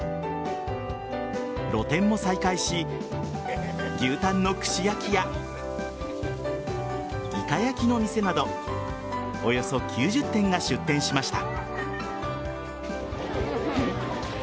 露店も再開し牛タンの串焼きやイカ焼きの店などおよそ９０店が出店しました。